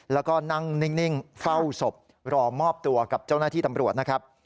แล้วก็นั่งนิ่งเฝ้าศพรอมอบตัวกับเจ้าหน้าที่ตำรวจนะครับ